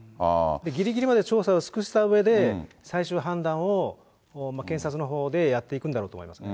ぎりぎりまで調査を尽くしたうえで、最終判断を検察のほうでやっていくんだろうと思いますね。